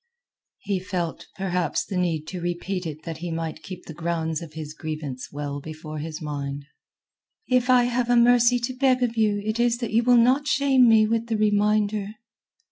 He felt, perhaps the need to repeat it that he might keep the grounds of his grievance well before his mind. "If I have a mercy to beg of you it is that you will not shame me with the reminder."